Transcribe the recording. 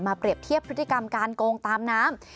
เปรียบเทียบพฤติกรรมการโกงตามน้ำ